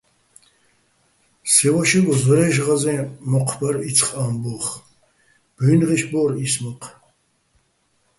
სე ვაშეგო ზორაჲში̆ ღაზე́ნ მოჴ ბარ იცხ ამბო́ხ, ბუ́ჲნღეშ ბარ ის მოჴ.